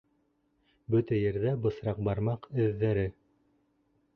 Бөтә ерҙә бысраҡ бармаҡ эҙҙәре.